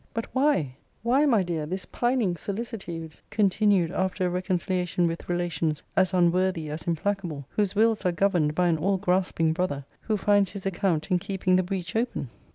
But why, why, my dear, this pining solicitude continued after a reconciliation with relations as unworthy as implacable; whose wills are governed by an all grasping brother, who finds his account in keeping the breach open?